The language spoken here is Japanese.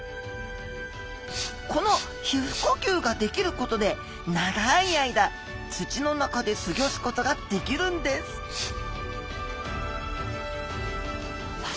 この皮膚呼吸ができることで長い間土の中で過ギョすことができるんですさあ